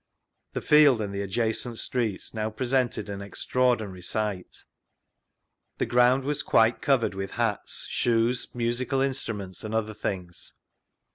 The field and the adjacent streets now presjented an extraordinary sight : the ground was quite covered with hats, shoes, musical instruments, and other things.